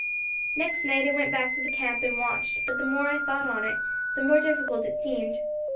Next night I went back to the camp and watched, but the more I thought on it, the more difficult it seemed.